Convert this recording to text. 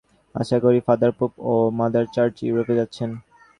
আশা করি, father pope ও mother church ইউরোপে যাচ্ছেন।